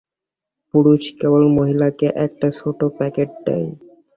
পুরুষ কেবল মহিলাকে একটা ছোট প্যাকেট দেয়।